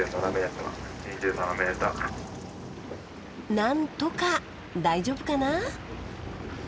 なんとか大丈夫かな？